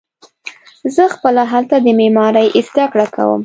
زه خپله هلته د معمارۍ زده کړه کوم.